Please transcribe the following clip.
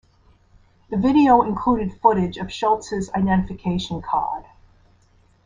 The video included footage of Schulz's identification card.